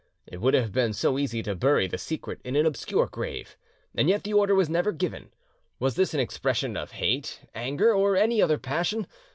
It would have been so easy to bury the secret in an obscure grave, and yet the order was never given. Was this an expression of hate, anger, or any other passion?